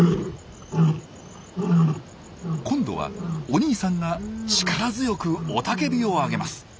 今度はお兄さんが力強く雄たけびを上げます。